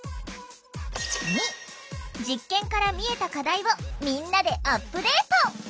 ２実験から見えた課題をみんなでアップデート！